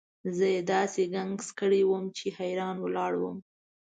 زه یې داسې ګنګس کړی وم چې حیران ولاړ وم.